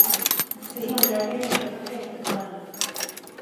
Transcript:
Det hindrade ju inte att jag tänkte på henne.